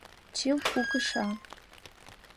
Чылт у кыша.